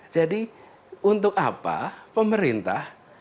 jadi untuk apa pemerintah